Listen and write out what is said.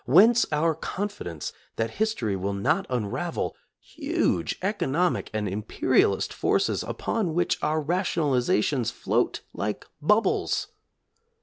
Whence our confidence that history will not unravel huge economic and imperialist forces upon which our rationalizations float like bubbles'?